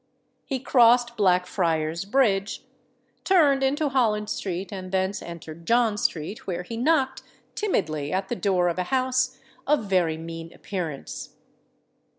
He crossed Blackfriars' Bridge, turned into Holland Street, and thence entered John Street, where he knocked timidly at the door of a house of very mean appearance.